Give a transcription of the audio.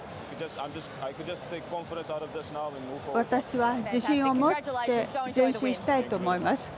私は自信を持って前進したいと思います。